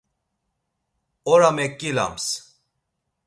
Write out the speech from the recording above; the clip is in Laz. Ora meǩilams.